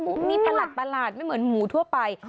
ดูนิดนัดประหลาดไม่เหมือนหมูทั่วไป